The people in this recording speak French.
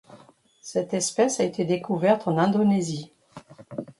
Cette espèce a été découverte en Indonésie.